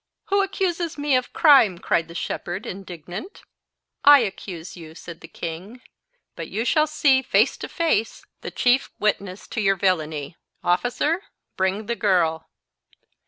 "Who accuses me of crime?" cried the shepherd, indignant. "I accuse you," said the king; "but you shall see, face to face, the chief witness to your villany. Officer, bring the girl."